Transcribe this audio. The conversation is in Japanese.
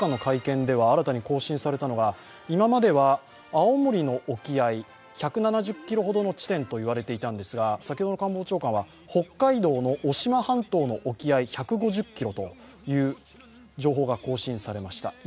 新たに更新されたのが今までは青森の沖合１７０ｋｍほどの地点といわれていたんですが先ほどの官房長官は北海道の渡島半島の沖合１８０ｋｍと情報が更新されました。